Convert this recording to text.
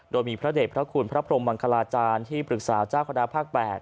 โดยมีพระเด็จพระคุณพระพรมมังคลาจารย์ที่ปรึกษาเจ้าคณะภาค๘